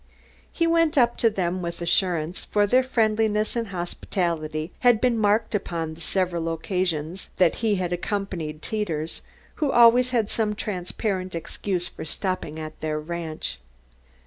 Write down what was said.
He went up to them with assurance, for their friendliness and hospitality had been marked upon the several occasions that he had accompanied Teeters, who always had some transparent excuse for stopping at their ranch.